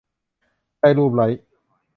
ได้ลูบไล้